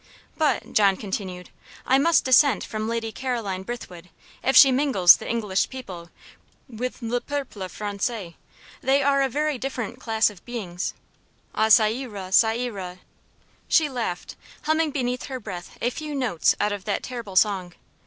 "But," John continued, "I must dissent from Lady Caroline Brithwood, if she mingles the English people with 'le peuple Francais.' They are a very different class of beings." "Ah, ca ira, ca ira" she laughed, humming beneath her breath a few notes out of that terrible song.